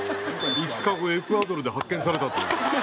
「５日後エクアドルで発見されたという」